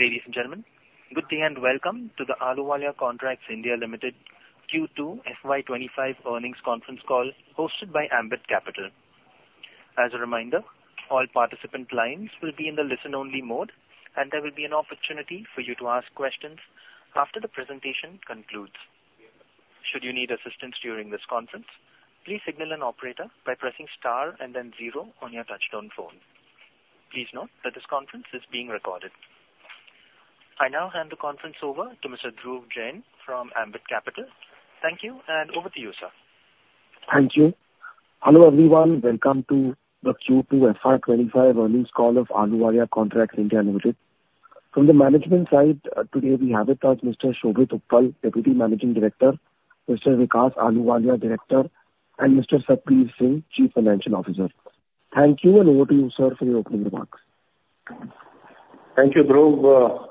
Ladies and gentlemen, good day and welcome to the Ahluwalia Contracts (India) Limited Q2 FY 2025 earnings conference call hosted by Ambit Capital. As a reminder, all participant lines will be in the listen-only mode, and there will be an opportunity for you to ask questions after the presentation concludes. Should you need assistance during this conference, please signal an operator by pressing star and then zero on your touch-tone phone. Please note that this conference is being recorded. I now hand the conference over to Mr. Dhruv Jain from Ambit Capital. Thank you, and over to you, sir. Thank you. Hello everyone, welcome to the Q2 FY 2025 earnings call of Ahluwalia Contracts (India) Limited. From the management side, today we have with us Mr. Shobhit Uppal, Deputy Managing Director, Mr. Vikas Ahluwalia, Director, and Mr. Satbeer Singh, Chief Financial Officer. Thank you, and over to you, sir, for your opening remarks. Thank you, Dhruv.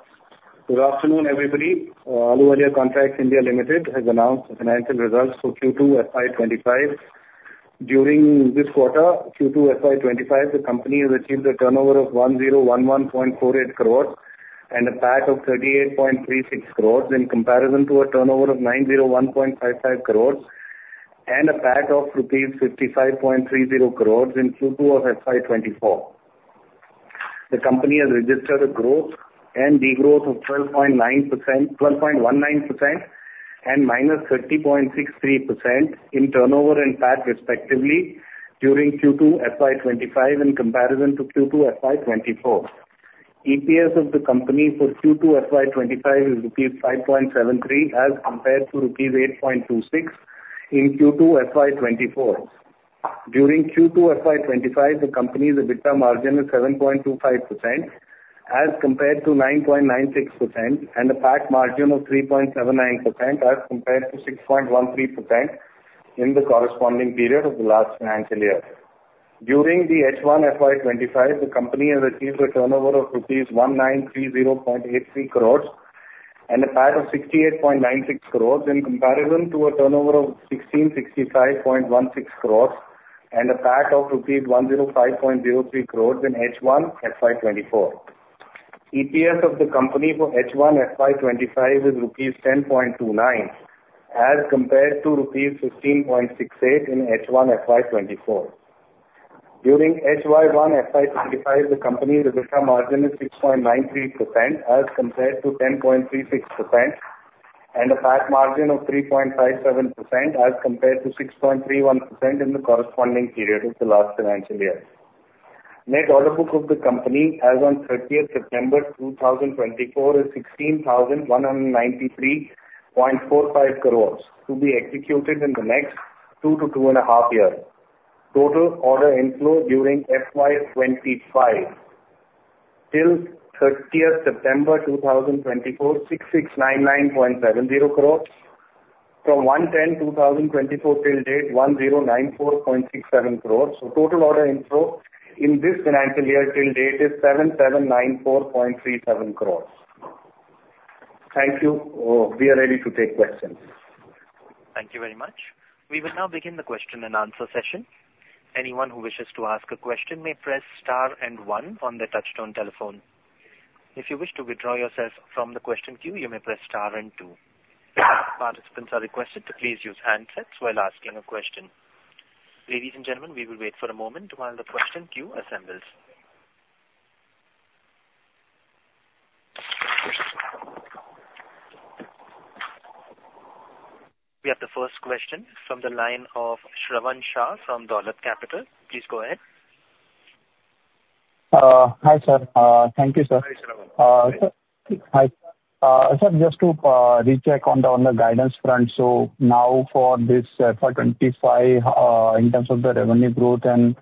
Good afternoon, everybody. Ahluwalia Contracts (India) Limited has announced the financial results for Q2 FY 2025. During this quarter, Q2 FY 2025, the company has achieved a turnover of 1011.48 crores and a PAT of 38.36 crores in comparison to a turnover of 901.55 crores and a PAT of rupees 55.30 crores in Q2 of FY 2024. The company has registered a growth and degrowth of 12.19% and minus 30.63% in turnover and PAT, respectively, during Q2 FY 2025 in comparison to Q2 FY 2024. EPS of the company for Q2 FY 2025 is rupees 5.73 as compared to rupees 8.26 in Q2 FY 2024. During Q2 FY 2025, the company's EBITDA margin is 7.25% as compared to 9.96%, and a PAT margin of 3.79% as compared to 6.13% in the corresponding period of the last financial year. During the H1 FY 2025, the company has achieved a turnover of rupees 1930.83 crores and a PAT of 68.96 crores in comparison to a turnover of 1665.16 crores and a PAT of rupees 105.03 crores in H1 FY 2024. EPS of the company for H1 FY 2025 is 10.29 rupees as compared to 15.68 rupees in H1 FY 2024. During H1 FY 2025, the company's EBITDA margin is 6.93% as compared to 10.36%, and a PAT margin of 3.57% as compared to 6.31% in the corresponding period of the last financial year. Net order book of the company as of 30th September 2024 is 16,193.45 crores to be executed in the next two to two and a half years. Total order inflow during FY 2025 till 30th September 2024: 6699.70 crores. From 01/10/2024 till date, 1094.67 crores. So total order inflow in this financial year till date is 7794.37 crores. Thank you. We are ready to take questions. Thank you very much. We will now begin the question and answer session. Anyone who wishes to ask a question may press star and one on the touchtone telephone. If you wish to withdraw yourself from the question queue, you may press star and two. Participants are requested to please use handsets while asking a question. Ladies and gentlemen, we will wait for a moment while the question queue assembles. We have the first question from the line of Shravan Shah from Dolat Capital. Please go ahead. Hi, sir. Thank you, sir. Hi, Shravan Shah. Hi. Sir, just to recheck on the guidance front. So now for this FY 2025, in terms of the revenue growth and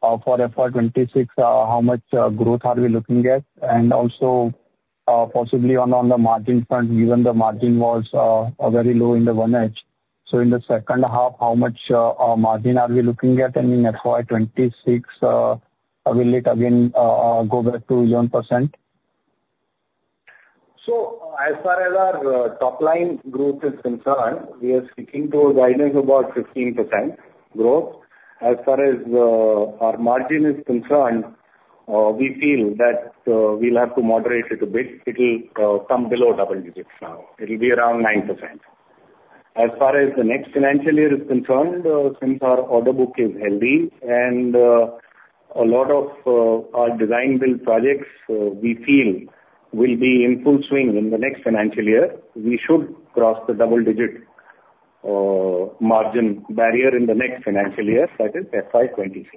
for FY 2026, how much growth are we looking at? And also, possibly on the margin front, given the margin was very low in the H1. So in the second half, how much margin are we looking at? And in FY 2026, will it again go back to 1%? So as far as our top line growth is concerned, we are sticking to a guidance of about 15% growth. As far as our margin is concerned, we feel that we'll have to moderate it a bit. It'll come below double digits now. It'll be around 9%. As far as the next financial year is concerned, since our order book is healthy and a lot of our design-build projects, we feel, will be in full swing in the next financial year, we should cross the double-digit margin barrier in the next financial year, that is FY 2026.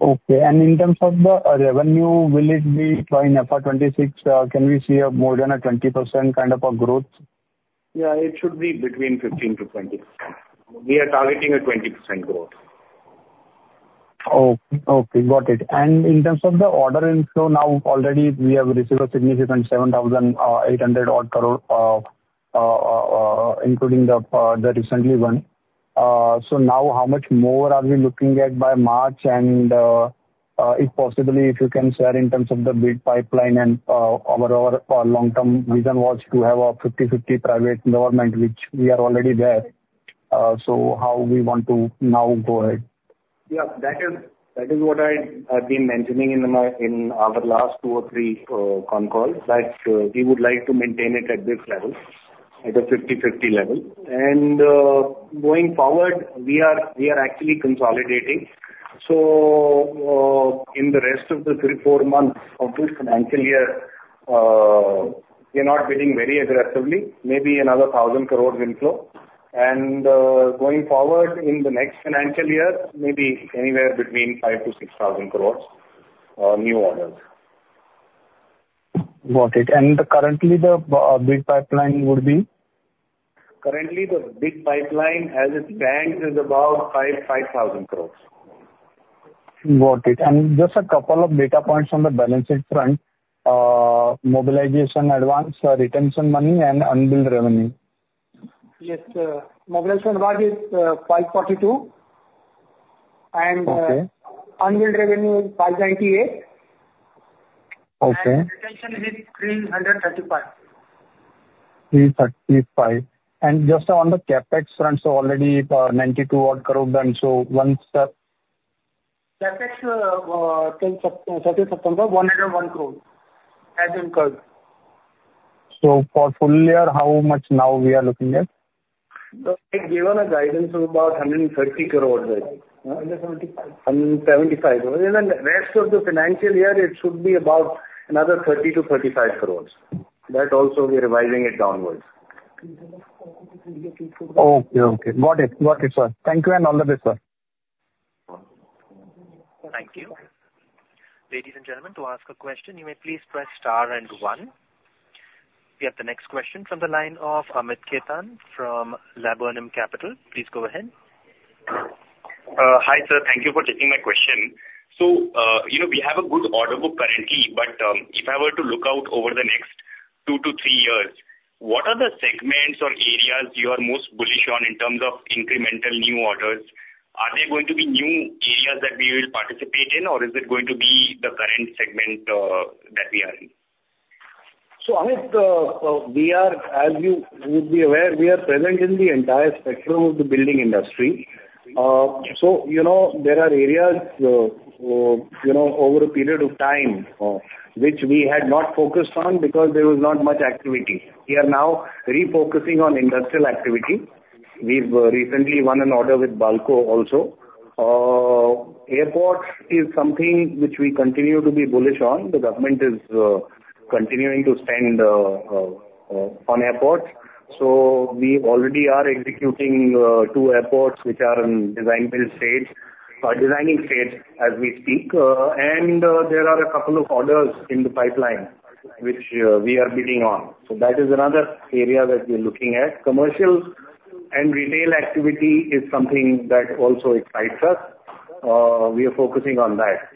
Okay. And in terms of the revenue, will it be in FY 2026? Can we see more than a 20% kind of a growth? Yeah, it should be between 15%-20%. We are targeting a 20% growth. Okay. Got it. And in terms of the order inflow, now already we have received a significant 7,800 crores, including the recent one. So now how much more are we looking at by March? And if possible, if you can, sir, in terms of the bid pipeline and our long-term vision was to have a 50/50 private government, which we are already there. So how do we want to now go ahead? Yeah, that is what I've been mentioning in our last two or three con calls, that we would like to maintain it at this level, at a 50/50 level. And going forward, we are actually consolidating. So in the rest of the three, four months of this financial year, we're not bidding very aggressively. Maybe another 1,000 crores inflow. And going forward in the next financial year, maybe anywhere between 5,000 crores-6,000 crores new orders. Got it. And currently, the bid pipeline would be? Currently, the bid pipeline as it stands is about 5,000 crores. Got it. And just a couple of data points on the balance sheet front: mobilization advance, retention money, and unbilled revenue. Yes. Mobilization advance is 542 crores, and unbilled revenue is 598 crores, and retention is 335 crores. 335 and just on the CapEx front, so already 92 crores done. So once. CapEx 30th September, 101 crores has incurred. So for full year, how much now we are looking at? Given a guidance of about 130 crores. INR 175 crores. INR 175 crores. In the rest of the financial year, it should be about another 30 crores-35 crores. That also, we're revising it downwards. Okay. Got it. Got it, sir. Thank you, and all the best, sir. Thank you. Ladies and gentlemen, to ask a question, you may please press star and one. We have the next question from the line of Amit Khetan from Laburnum Capital. Please go ahead. Hi, sir. Thank you for taking my question. So we have a good order book currently, but if I were to look out over the next two to three years, what are the segments or areas you are most bullish on in terms of incremental new orders? Are there going to be new areas that we will participate in, or is it going to be the current segment that we are in? So Amit, as you would be aware, we are present in the entire spectrum of the building industry. So there are areas over a period of time which we had not focused on because there was not much activity. We are now refocusing on industrial activity. We've recently won an order with Balco also. Airports is something which we continue to be bullish on. The government is continuing to spend on airports. So we already are executing two airports which are in design stage as we speak. And there are a couple of orders in the pipeline which we are bidding on. So that is another area that we're looking at. Commercial and retail activity is something that also excites us. We are focusing on that.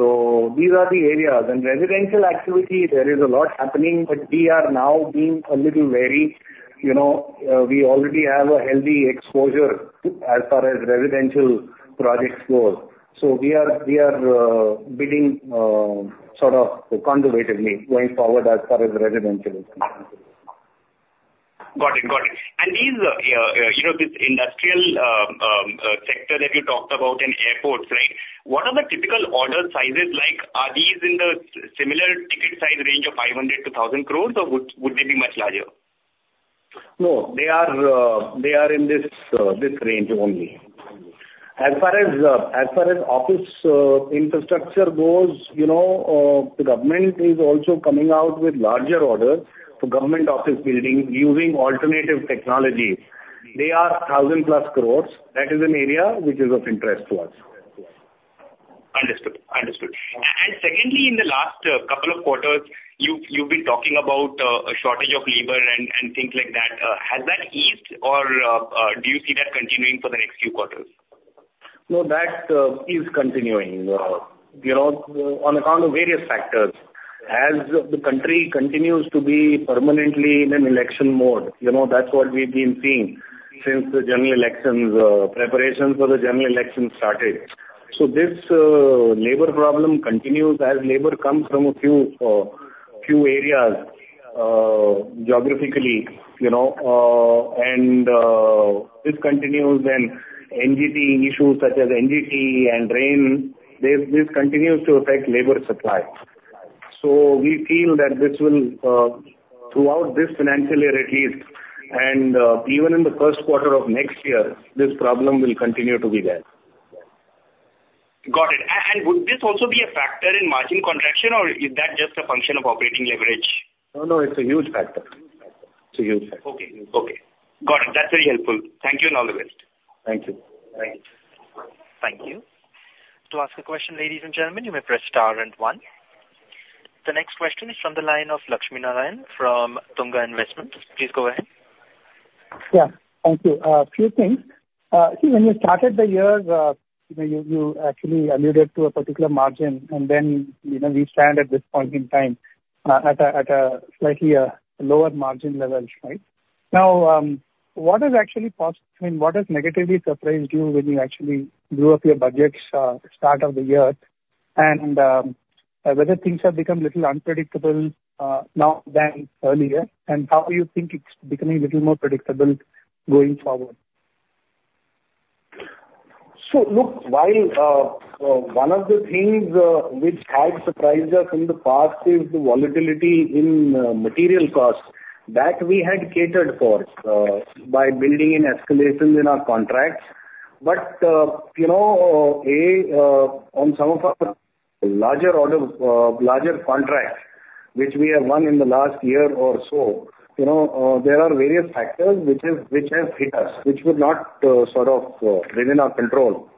So these are the areas. And residential activity, there is a lot happening, but we are now being a little wary. We already have a healthy exposure as far as residential projects go. So we are bidding sort of conservatively going forward as far as residential is concerned. Got it. Got it. And this industrial sector that you talked about and airports, right, what are the typical order sizes like? Are these in the similar ticket size range of 500 crores-1,000 crores, or would they be much larger? No, they are in this range only. As far as office infrastructure goes, the government is also coming out with larger orders for government office buildings using alternative technology. They are 1,000+ crores. That is an area which is of interest to us. Understood. Understood. And secondly, in the last couple of quarters, you've been talking about a shortage of labor and things like that. Has that eased, or do you see that continuing for the next few quarters? No, that is continuing. On account of various factors, as the country continues to be permanently in an election mode, that's what we've been seeing since the general elections, preparations for the general elections started. So this labor problem continues as labor comes from a few areas geographically. And this continues in NGT issues such as NGT and rain. This continues to affect labor supply. So we feel that this will, throughout this financial year at least, and even in the first quarter of next year, this problem will continue to be there. Got it. And would this also be a factor in margin contraction, or is that just a function of operating leverage? No, no, it's a huge factor. It's a huge factor. Okay. Okay. Got it. That's very helpful. Thank you and all the best. Thank you. Thank you. To ask a question, ladies and gentlemen, you may press star and one. The next question is from the line of Lakshminarayan from Tunga Investments. Please go ahead. Yeah. Thank you. A few things. See, when you started the year, you actually alluded to a particular margin, and then we stand at this point in time at a slightly lower margin level, right? Now, what has actually positive? I mean, what has negatively surprised you when you actually drew up your budgets start of the year? And whether things have become a little unpredictable now than earlier, and how do you think it's becoming a little more predictable going forward? So look, while one of the things which had surprised us in the past is the volatility in material costs that we had catered for by building in escalations in our contracts. But on some of our larger contracts which we have won in the last year or so, there are various factors which have hit us, which were not sort of within our control.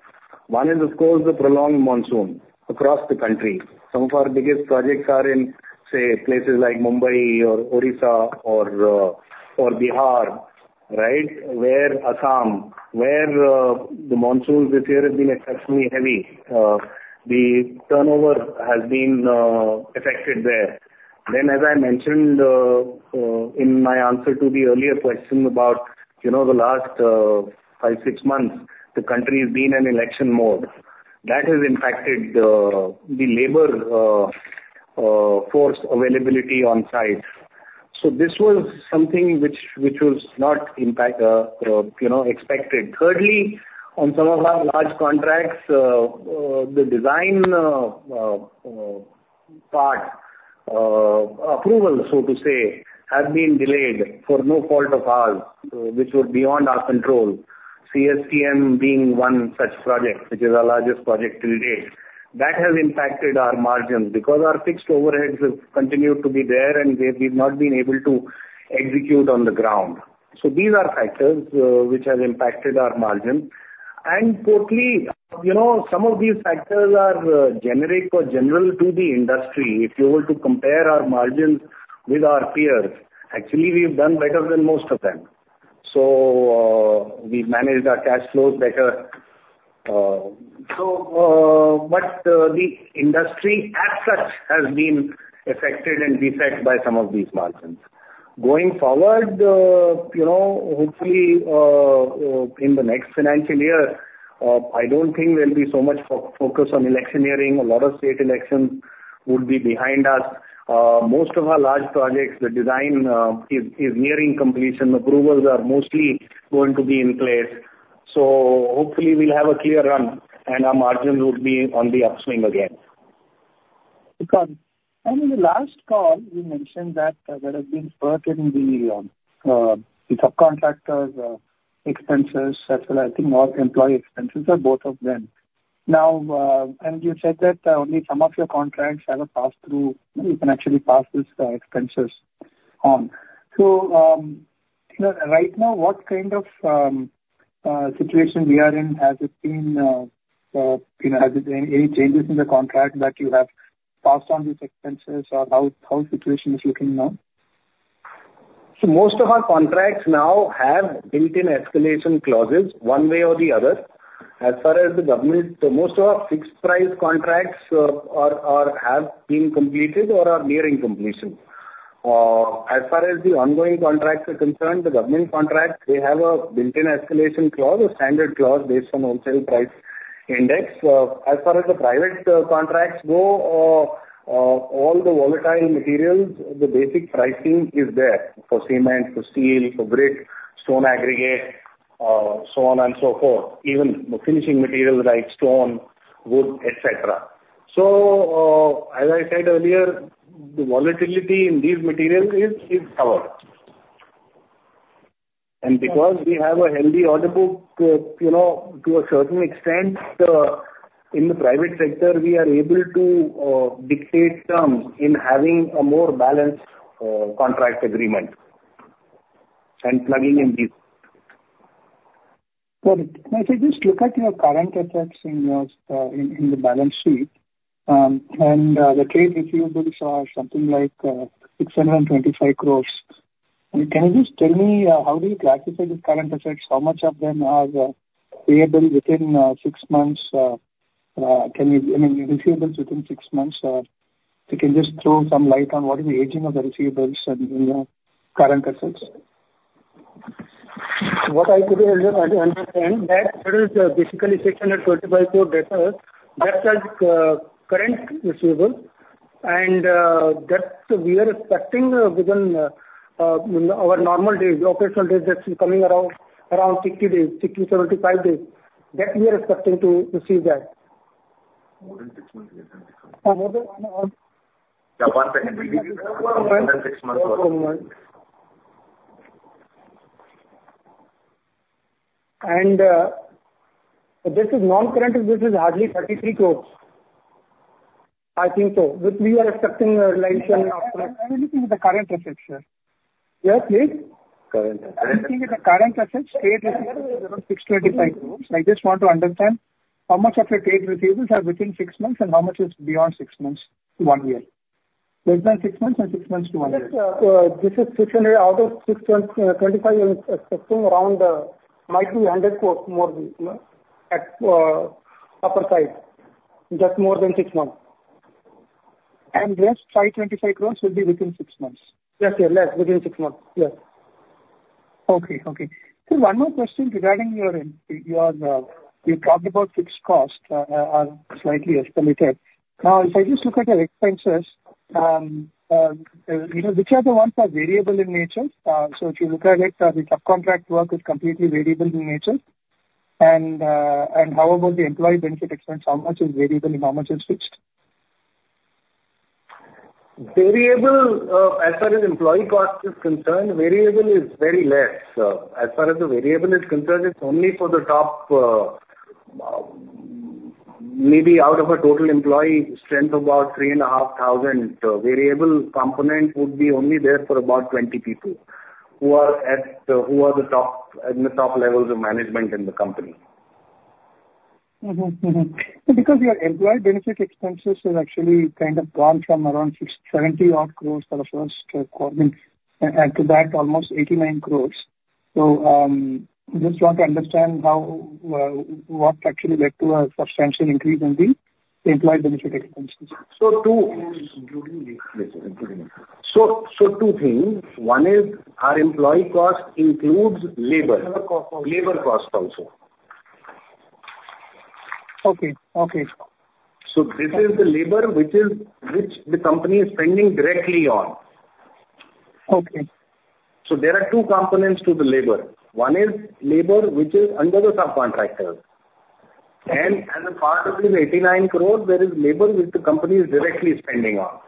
One is, of course, the prolonged monsoon across the country. Some of our biggest projects are in, say, places like Mumbai or Odisha or Bihar, right, where Assam, where the monsoons this year have been exceptionally heavy. The turnover has been affected there. Then, as I mentioned in my answer to the earlier question about the last five, six months, the country has been in election mode. That has impacted the labor force availability on site. So this was something which was not expected. Thirdly, on some of our large contracts, the design part, approval, so to say, has been delayed for no fault of ours, which was beyond our control. CSMT being one such project, which is our largest project to date. That has impacted our margins because our fixed overheads have continued to be there, and we have not been able to execute on the ground. So these are factors which have impacted our margins. And fourthly, some of these factors are generic or general to the industry. If you were to compare our margins with our peers, actually, we've done better than most of them. So we've managed our cash flows better. But the industry as such has been affected and impacted by some of these margins. Going forward, hopefully, in the next financial year, I don't think there'll be so much focus on electioneering. A lot of state elections would be behind us. Most of our large projects, the design is nearing completion. Approvals are mostly going to be in place, so hopefully, we'll have a clear run, and our margins will be on the upswing again. Got it. And in the last call, you mentioned that there has been a spurt in the subcontractors' expenses, as well as, I think, employee expenses for both of them. Now, you said that only some of your contracts have a pass-through. You can actually pass these expenses on. So right now, what kind of situation are we in? Have there been any changes in the contract that you have passed on these expenses, or how is the situation looking now? So most of our contracts now have built-in escalation clauses one way or the other. As far as the government, most of our fixed-price contracts have been completed or are nearing completion. As far as the ongoing contracts are concerned, the government contracts, they have a built-in escalation clause, a standard clause based on wholesale price index. As far as the private contracts go, all the volatile materials, the basic pricing is there for cement, for steel, for brick, stone aggregate, so on and so forth, even the finishing materials like stone, wood, etc. So as I said earlier, the volatility in these materials is covered. And because we have a healthy order book to a certain extent, in the private sector, we are able to dictate terms in having a more balanced contract agreement and plugging in these. Got it. Now, if you just look at your current assets in the balance sheet and the trade receivables are something like 625 crores, can you just tell me how do you classify these current assets? How much of them are payable within six months? I mean, receivables within six months, you can just throw some light on what is the aging of the receivables and current assets. What I could understand that there is basically 625 crores that are current receivables, and that we are expecting within our normal days, the operational days that's coming around 60 days, 60 to 75 days. That we are expecting to receive that. More than six months? Yeah, one second. More than six months or. This is non-current receivables, hardly 33 crores, I think so. We are expecting a realization of. I think it's the current receivables. Yes, please? I think it's the current assets, trade receivables around INR 625 crores. I just want to understand how much of your trade receivables are within six months and how much is beyond six months to one year, less than six months and six months to one year. This is 625 crores expecting around might be 100 crores more at upper side, just more than six months. Less 525 crores will be within six months? Yes, yes. Less within six months. Yes. Okay. Okay. So one more question regarding your, you talked about fixed costs are slightly estimated. Now, if I just look at your expenses, which are the ones that are variable in nature? So if you look at it, the subcontract work is completely variable in nature. And how about the employee benefit expense? How much is variable and how much is fixed? Variable, as far as employee cost is concerned, variable is very less. As far as the variable is concerned, it's only for the top maybe out of a total employee strength of about 3,500. Variable component would be only there for about 20 people who are at the top levels of management in the company. Because your employee benefit expenses have actually kind of gone from around 70 crores for the first quarter and to that almost 89 crores. So just want to understand what actually led to a substantial increase in the employee benefit expenses. So two things. One is our employee cost includes labor costs also. This is the labor which the company is spending directly on. So there are two components to the labor. One is labor which is under the subcontractor. And as a part of this 89 crores, there is labor which the company is directly spending on.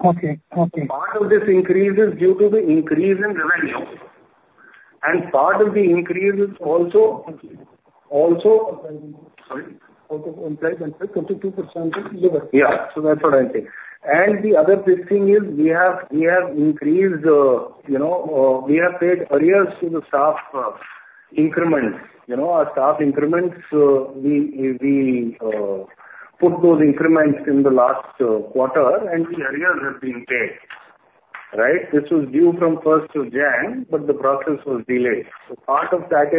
Part of this increase is due to the increase in revenue, and part of the increase is also. Employee benefits, 22% labor. Yeah. So that's what I'm saying. And the other big thing is we have paid arrears to the staff increments. Our staff increments, we put those increments in the last quarter, and the arrears have been paid, right? This was due from first of January, but the process was delayed. So part of that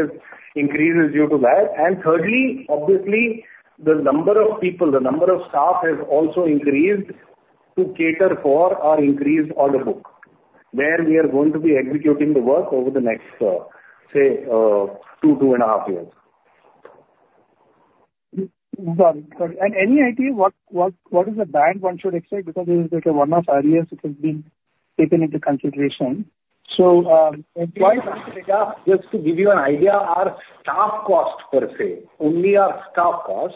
increase is due to that. And thirdly, obviously, the number of people, the number of staff has also increased to cater for our increased order book where we are going to be executing the work over the next, say, two, two and a half years. Got it. Got it. And any idea what is the band one should expect? Because it is like one or five years it has been taken into consideration. So employee benefit expenses. Just to give you an idea, our staff cost per se, only our staff cost,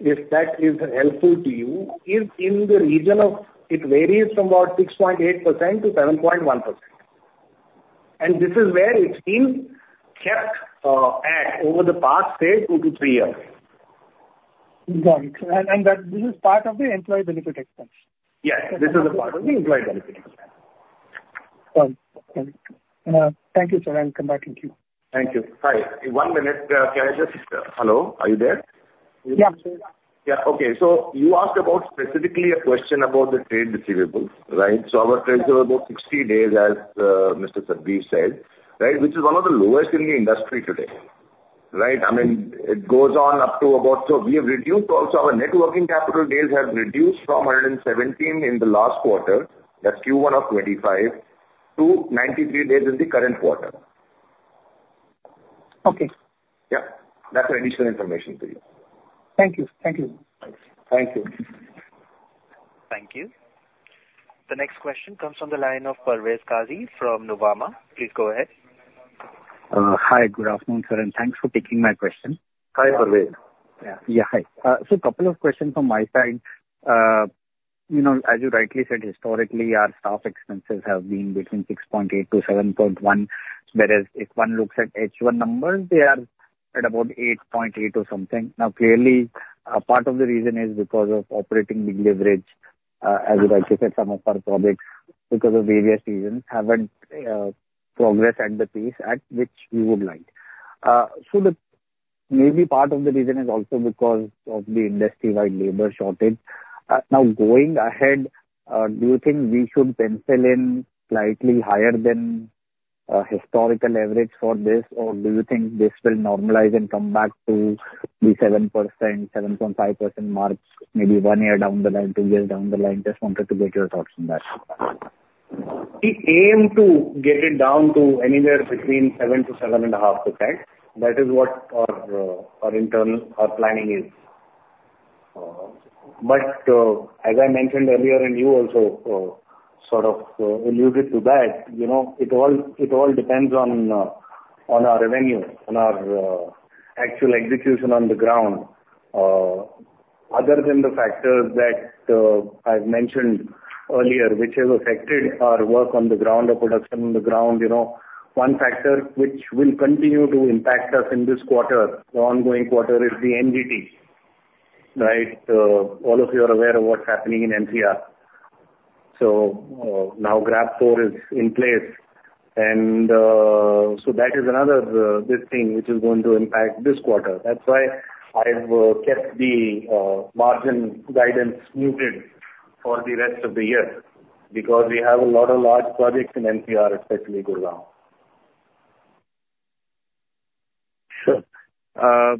if that is helpful to you, is in the region of. It varies from about 6.8%-7.1%. And this is where it's been kept at over the past, say, two to three years. Got it. And this is part of the employee benefit expense? Yes. This is a part of the employee benefit expense. Got it. Got it. Thank you, sir. I'm congratulating you. Thank you. Hi. One minute. Can I just hello? Are you there? Yeah. Yeah. Okay. So you asked about specifically a question about the trade receivables, right? So our trade receivables are about 60 days, as Mr. Satbeer said, right, which is one of the lowest in the industry today, right? I mean, it goes on up to about so we have reduced also our net working capital days have reduced from 117 in the last quarter. That's Q1 of 2025 to 93 days in the current quarter. Yeah. That's additional information for you. Thank you. Thank you. Thank you. Thank you. The next question comes from the line of Parvez Qazi from Nuvama. Please go ahead. Hi. Good afternoon, sir. And thanks for taking my question. Hi, Parvez. Yeah. Hi. A couple of questions from my side. As you rightly said, historically, our staff expenses have been between 6.8%-7.1%, whereas if one looks at H1 numbers, they are at about 8.8% or something. Now, clearly, part of the reason is because of operating leverage, as you rightly said, some of our projects, because of various reasons, haven't progressed at the pace at which we would like. So maybe part of the reason is also because of the industry-wide labor shortage. Now, going ahead, do you think we should pencil in slightly higher than historical average for this, or do you think this will normalize and come back to the 7%-7.5% marks, maybe one year down the line, two years down the line? Just wanted to get your thoughts on that. We aim to get it down to anywhere between 7% to 7.5%. That is what our internal planning is, but as I mentioned earlier, and you also sort of alluded to that, it all depends on our revenue, on our actual execution on the ground. Other than the factors that I've mentioned earlier, which have affected our work on the ground, our production on the ground, one factor which will continue to impact us in this quarter, the ongoing quarter, is the NGT, right? All of you are aware of what's happening in NCR. So now GRAP-IV is in place, and that is another big thing which is going to impact this quarter. That's why I've kept the margin guidance muted for the rest of the year because we have a lot of large projects in NCR, especially Gurgaon. Sure.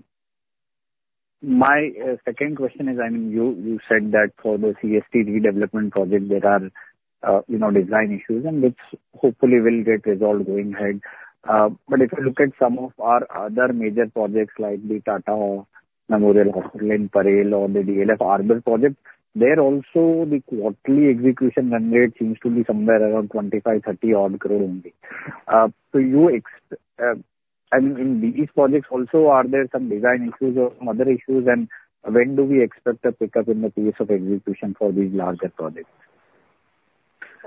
My second question is, I mean, you said that for the CST development project, there are design issues, and which hopefully will get resolved going ahead. But if you look at some of our other major projects like the Tata Memorial Hospital in Parel or the DLF The Arbour project, there also the quarterly execution run rate seems to be somewhere around 25 crores-30 crores only. So I mean, in these projects also, are there some design issues or some other issues, and when do we expect a pickup in the pace of execution for these larger projects?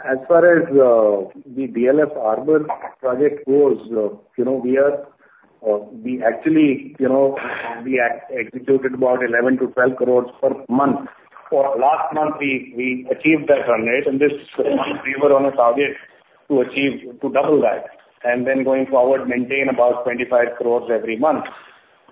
As far as the DLF The Arbour Project goes, we actually executed about 11 crores-12 crores per month. Last month, we achieved that run rate, and this month, we were on a target to double that and then going forward, maintain about 25 crores every month.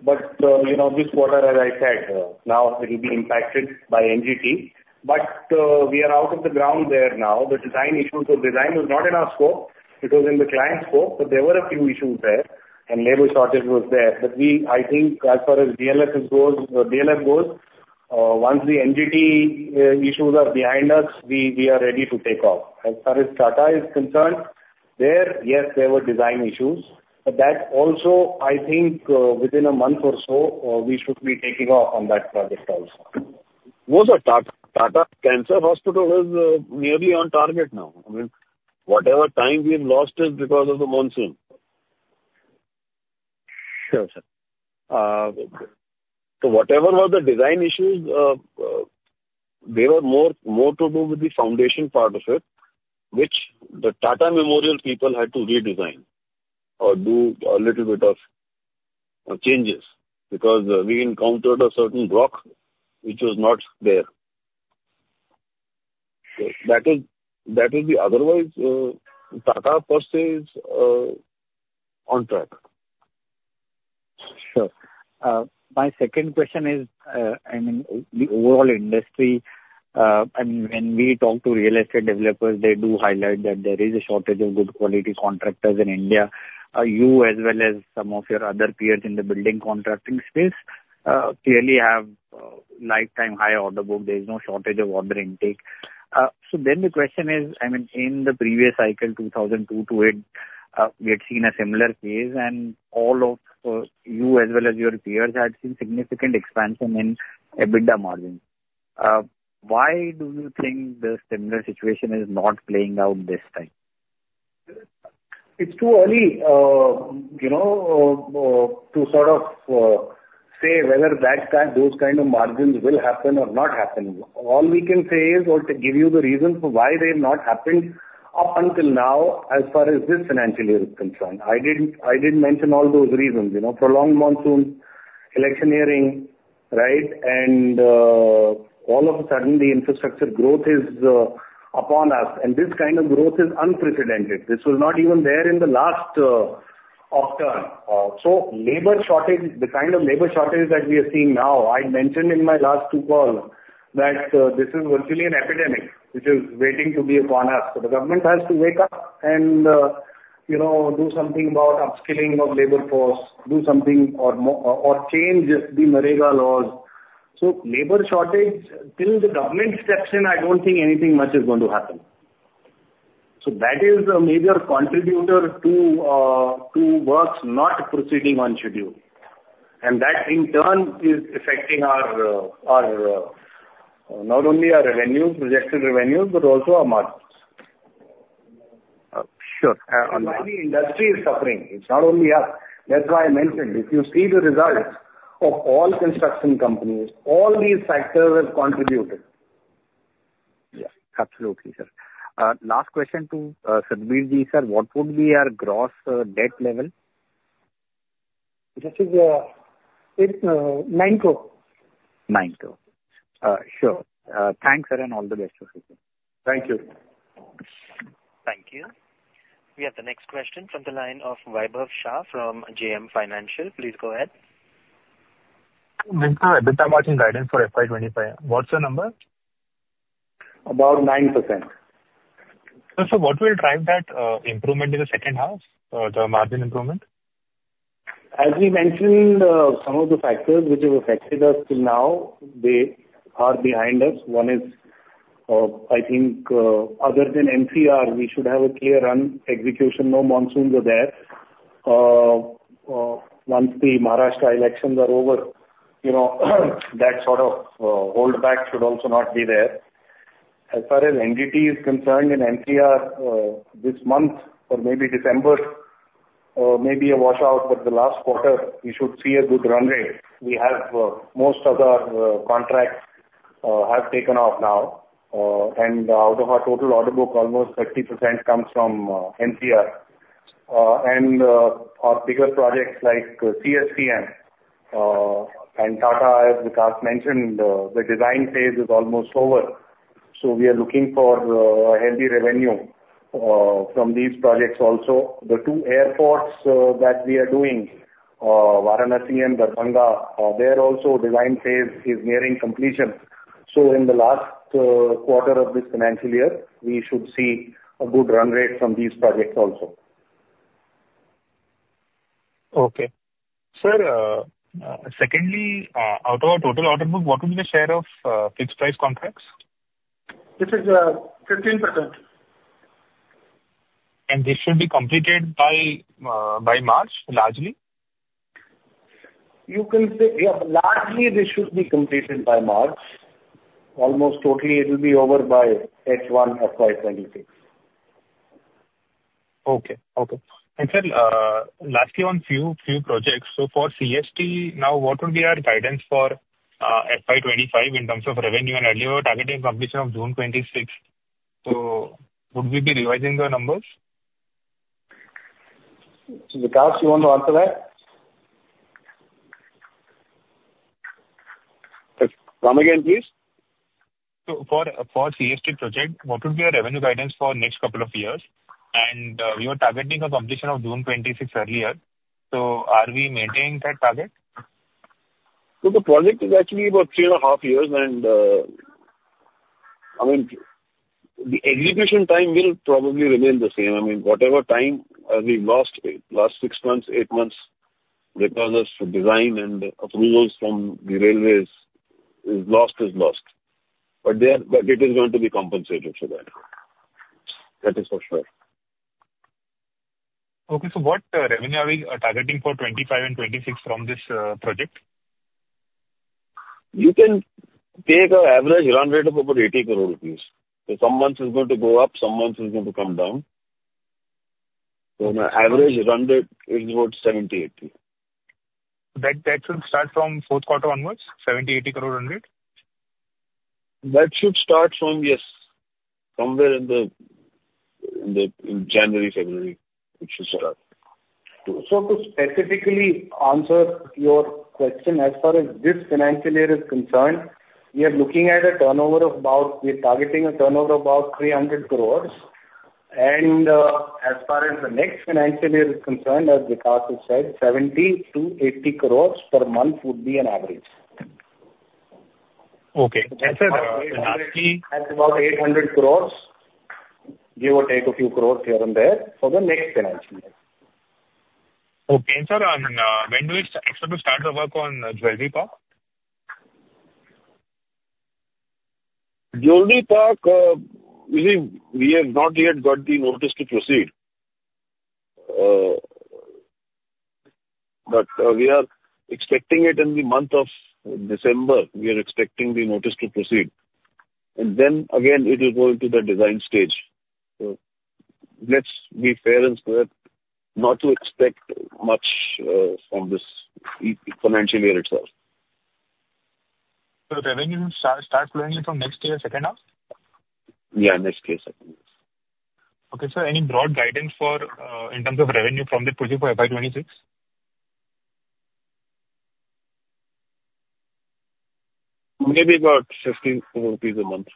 But this quarter, as I said, now it will be impacted by NGT. But we are out of the ground there now. The design issues were designed; it was not in our scope. It was in the client's scope, but there were a few issues there, and labor shortage was there. But I think as far as DLF goes, once the NGT issues are behind us, we are ready to take off. As far as Tata is concerned, there, yes, there were design issues. But that also, I think within a month or so, we should be taking off on that project also. What the Tata Cancer Hospital is nearly on target now. I mean, whatever time we've lost is because of the monsoon. So whatever were the design issues, they were more to do with the foundation part of it, which the Tata Memorial people had to redesign or do a little bit of changes because we encountered a certain rock which was not there. So that is the otherwise Tata per se is on track. Sure. My second question is, I mean, the overall industry, I mean, when we talk to real estate developers, they do highlight that there is a shortage of good quality contractors in India. You, as well as some of your other peers in the building contracting space, clearly have lifetime high order book. There is no shortage of order intake. So then the question is, I mean, in the previous cycle, 2002-2008, we had seen a similar case, and all of you, as well as your peers, had seen significant expansion in EBITDA margin. Why do you think the similar situation is not playing out this time? It's too early to sort of say whether those kind of margins will happen or not happen. All we can say is, or to give you the reason for why they have not happened up until now as far as this financial year is concerned. I did mention all those reasons: prolonged monsoon, election year in, right, and all of a sudden, the infrastructure growth is upon us, and this kind of growth is unprecedented. This was not even there in the last decade. So the kind of labor shortage that we are seeing now, I mentioned in my last two calls that this is virtually an epidemic which is waiting to be upon us. So the government has to wake up and do something about upskilling of labor force, do something or change the NREGA laws. So labor shortage, till the government steps in, I don't think anything much is going to happen. So that is a major contributor to works not proceeding on schedule. And that, in turn, is affecting not only our revenues, projected revenues, but also our margins. The entire industry is suffering. It's not only us. That's why I mentioned, if you see the results of all construction companies, all these factors have contributed. Yes. Absolutely, sir. Last question to Satbeer Singh. What would be our gross debt level? This is INR 9 crores. INR 9 crore. Sure. Thanks, sir, and all the best. Thank you. Thank you. We have the next question from the line of Vaibhav Shah from JM Financial. Please go ahead. EBITDA margin guidance for FY 2025. What's your number? About 9%. Sir, so what will drive that improvement in the second half, the margin improvement? As we mentioned, some of the factors which have affected us till now, they are behind us. One is, I think, other than NCR, we should have a clear run execution. No monsoons are there. Once the Maharashtra elections are over, that sort of holdback should also not be there. As far as NGT is concerned in NCR, this month or maybe December, maybe a washout, but the last quarter, we should see a good run rate. Most of our contracts have taken off now. And out of our total order book, almost 30% comes from NCR. And our bigger projects like CSMT and Tata, as Vikas mentioned, the design phase is almost over. So we are looking for a healthy revenue from these projects also. The two airports that we are doing, Varanasi and Darbhanga, there also design phase is nearing completion. So in the last quarter of this financial year, we should see a good run rate from these projects also. Okay. Sir, secondly, out of our total order book, what would be the share of fixed-price contracts? This is 15%. And this should be completed by March, largely? You can say, yeah, largely this should be completed by March. Almost totally, it will be over by H1 FY 2026. Okay. And sir, lastly, on few projects. So for CST, now, what would be our guidance for FY 2025 in terms of revenue and earlier targeting completion of June 2026? So would we be revising the numbers? Vikas, you want to answer that? Come again, please. So for CSMT project, what would be our revenue guidance for next couple of years? And we were targeting a completion of June 2026 earlier. So are we maintaining that target? So the project is actually about three and a half years. And I mean, the execution time will probably remain the same. I mean, whatever time we lost last six months, eight months because of design and approvals from the railways is lost is lost. But it is going to be compensated for that. That is for sure. Okay, so what revenue are we targeting for 2025 and 2026 from this project? You can take an average run rate of about 80 crore rupees. So some months it's going to go up, some months it's going to come down. So the average run rate is about 70-80 crore. That should start from fourth quarter onwards, 70-80 crore run rate? That should start from, yes, somewhere in January-February, it should start. So to specifically answer your question, as far as this financial year is concerned, we are looking at a turnover of about we are targeting a turnover of about 300 crores. And as far as the next financial year is concerned, as Vikas has said, 70-80 crores per month would be an average. Okay. And, sir. That's about 800 crores, give or take a few crores here and there for the next financial year. Okay. Sir, when do we expect to start the work on Jewellery Park? Jewellery Park, we have not yet got the notice to proceed. But we are expecting it in the month of December. We are expecting the notice to proceed. And then again, it will go into the design stage. So let's be fair and square, not to expect much from this financial year itself. So revenue will start flowing into next year second half? Yeah, next year second half. Okay. Sir, any broad guidance in terms of revenue from the pushing for FY 2026? Maybe about 15 crore rupees a month.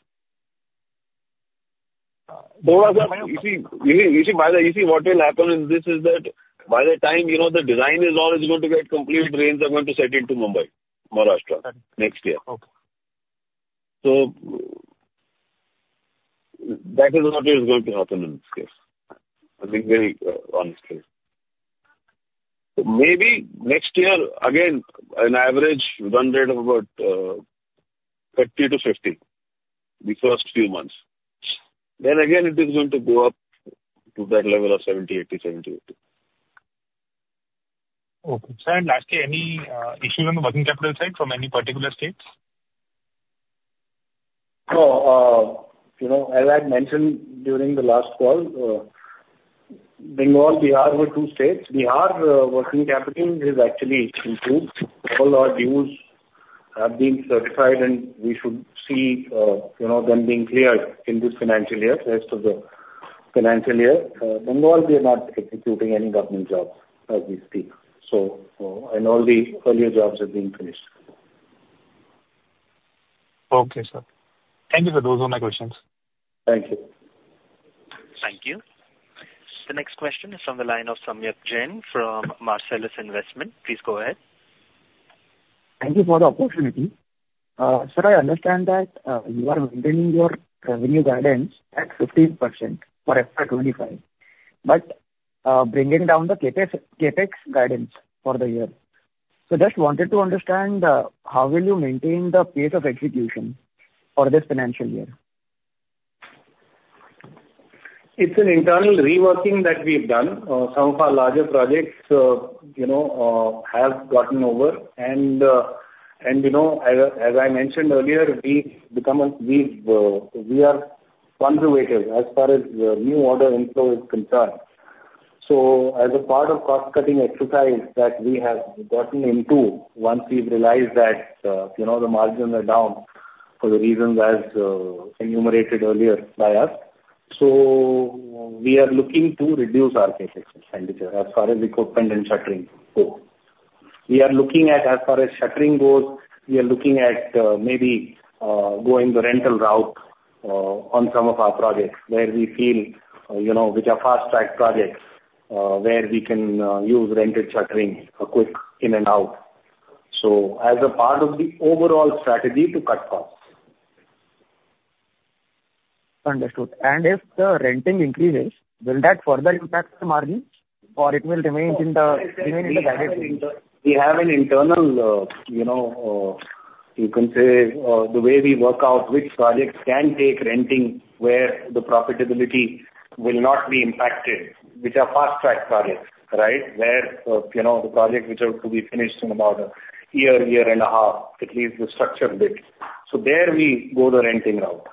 You see, what will happen in this is that by the time the design is all, it's going to get complete, rains are going to set into Mumbai, Maharashtra next year. So that is what is going to happen in this case, I think very honestly. So maybe next year, again, an average run rate of about 30-50 the first few months. Then again, it is going to go up to that level of 70-80, 70-80. Okay. Sir, and lastly, any issues on the working capital side from any particular states? As I mentioned during the last call, Bengal, Bihar were two states. Bihar working capital is actually improved. All our deals have been certified, and we should see them being cleared in this financial year, rest of the financial year. Bengal, we are not executing any government jobs as we speak. So I know the earlier jobs have been finished. Okay, sir. Thank you. So those are my questions. Thank you. Thank you. The next question is from the line of Samyak Jain from Marcellus Investment. Please go ahead. Thank you for the opportunity. Sir, I understand that you are maintaining your revenue guidance at 15% for FY 2025, but bringing down the CapEx guidance for the year. So just wanted to understand how will you maintain the pace of execution for this financial year? It's an internal reworking that we have done. Some of our larger projects have gotten over, and as I mentioned earlier, we are conservative as far as new order inflow is concerned, so as a part of cost-cutting exercise that we have gotten into, once we've realized that the margins are down for the reasons as enumerated earlier by us, so we are looking to reduce our CapEx expenditure as far as equipment and shuttering go. We are looking at, as far as shuttering goes, we are looking at maybe going the rental route on some of our projects where we feel which are fast-track projects where we can use rented shuttering quick in and out, so as a part of the overall strategy to cut costs. Understood. And if the renting increases, will that further impact the margins or it will remain in the guided rate? We have an internal, you can say, the way we work out which projects can take renting where the profitability will not be impacted, which are fast-track projects, right? Where the projects which are to be finished in about a year, year and a half, at least the structured bit. So there we go the renting route.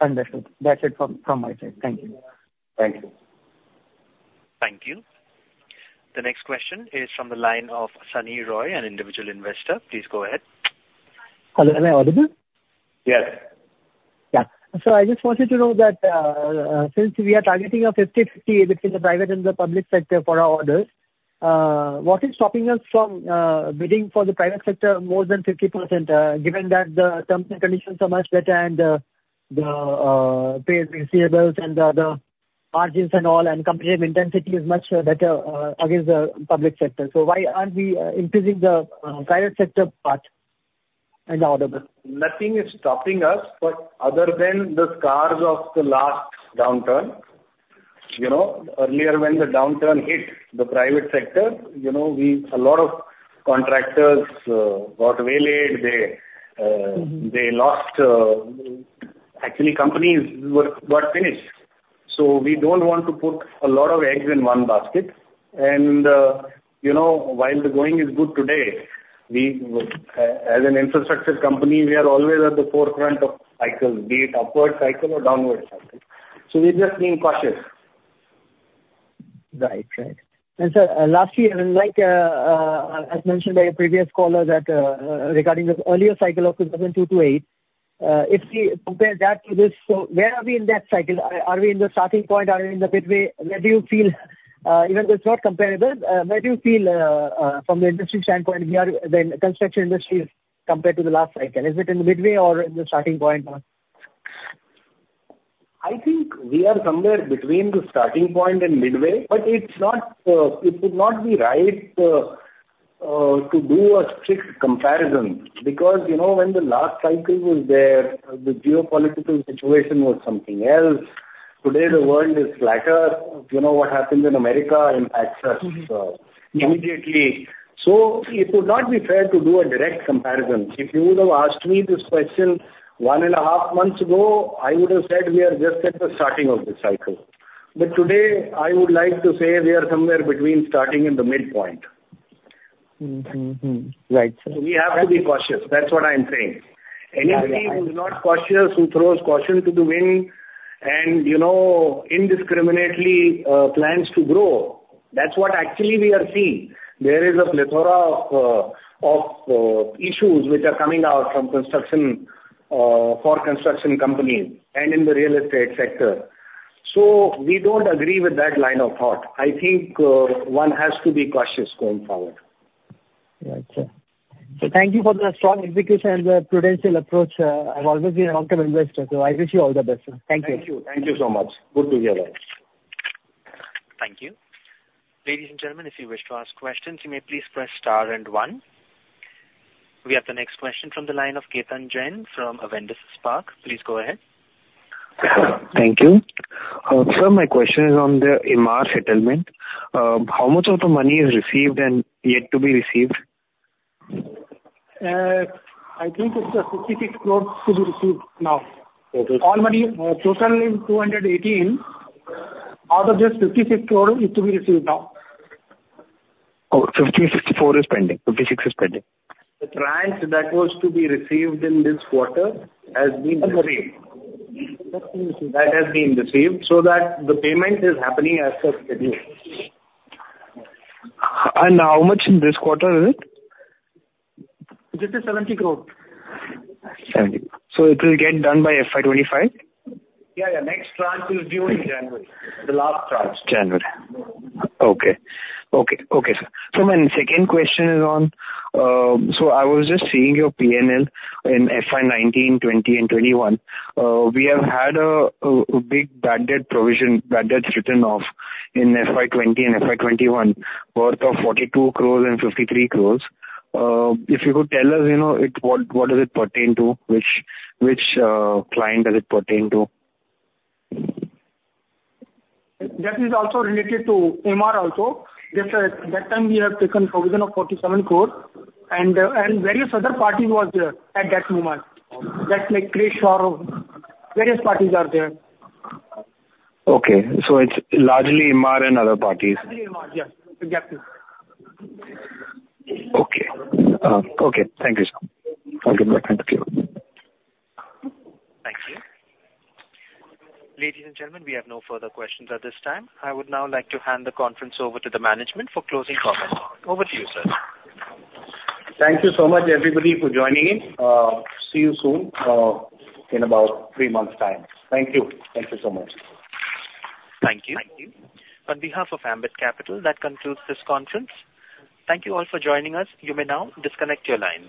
Understood. That's it from my side. Thank you. Thank you. Thank you. The next question is from the line of Sunny Roy, an individual investor. Please go ahead. Hello. Am I audible? Yes. Yeah. So I just wanted to know that since we are targeting a 50-50 between the private and the public sector for our orders, what is stopping us from bidding for the private sector more than 50% given that the terms and conditions are much better and the payable receivables and the margins and all, and competitive intensity is much better against the public sector? So why aren't we increasing the private sector part and the order? Nothing is stopping us other than the scars of the last downturn. Earlier, when the downturn hit the private sector, a lot of contractors got nailed. They lost. Actually, companies got finished. So we don't want to put a lot of eggs in one basket. And while the going is good today, as an infrastructure company, we are always at the forefront of cycles, be it upward cycle or downward cycle. So we're just being cautious. Right. Right. And sir, lastly, as mentioned by a previous caller regarding the earlier cycle of 2028, if we compare that to this, so where are we in that cycle? Are we in the starting point? Are we in the midway? Where do you feel, even though it's not comparable, where do you feel from the industry standpoint, the construction industry compared to the last cycle? Is it in the midway or in the starting point? I think we are somewhere between the starting point and midway. But it would not be right to do a strict comparison because when the last cycle was there, the geopolitical situation was something else. Today, the world is flatter. What happens in America impacts us immediately. So it would not be fair to do a direct comparison. If you would have asked me this question one and a half months ago, I would have said we are just at the starting of the cycle. But today, I would like to say we are somewhere between starting and the midpoint. Right. So we have to be cautious. That's what I'm saying. Anybody who's not cautious who throws caution to the wind and indiscriminately plans to grow, that's what actually we are seeing. There is a plethora of issues which are coming out from construction for construction companies and in the real estate sector. So we don't agree with that line of thought. I think one has to be cautious going forward. Right. So thank you for the strong execution and the prudential approach. I've always been a long-term investor. So I wish you all the best. Thank you. Thank you. Thank you so much. Good to hear that. Thank you. Ladies and gentlemen, if you wish to ask questions, you may please press star and one. We have the next question from the line of Ketan Jain from Avendus Spark. Please go ahead. Thank you. Sir, my question is on the Emaar settlement. How much of the money is received and yet to be received? I think it's just 56 crores to be received now. All money, total is 218 crores. Out of just 56 crores, it's to be received now. Oh, 56 is pending. 56 is pending. The tranche that was to be received in this quarter has been received. That has been received so that the payment is happening as scheduled. How much in this quarter is it? This is 70 crores. So it will get done by FY 2025? Yeah. The next tranche is due in January. The last tranche. January. Okay. Sir, so my second question is on, I was just seeing your P&L in FY 2019, 2020, and 2021. We have had a big bad debt provision, bad debts written off in FY 2020 and 2021, worth 42 crores and 53 crores. If you could tell us what does it pertain to, which client does it pertain to? That is also related to Emaar also. That time, we have taken provision of 47 crores, and various other parties were there at that moment. That's like the case where various parties are there. Okay. So it's largely Emaar and other parties? Yes. Exactly. Okay. Okay. Thank you, sir. I'll get back to you. Thank you. Ladies and gentlemen, we have no further questions at this time. I would now like to hand the conference over to the management for closing comments. Over to you, sir. Thank you so much, everybody, for joining in. See you soon in about three months' time. Thank you. Thank you so much. Thank you. Thank you. On behalf of Ambit Capital, that concludes this conference. Thank you all for joining us. You may now disconnect your lines.